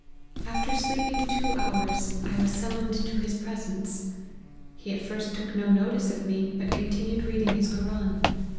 After sleeping two hours, I was summoned to his presence. He at first took no notice of me, but continued reading his Koran.